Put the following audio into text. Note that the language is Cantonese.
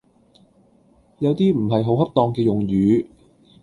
有啲唔係好恰當嘅用語